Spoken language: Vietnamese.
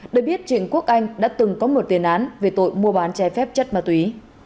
để biết trịnh quốc anh đã từng có một tiền án về tội mua bán chai phép chất ma túy